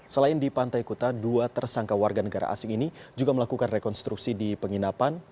selain di pantai kuta dua tersangka warga negara asing ini juga melakukan rekonstruksi di penginapan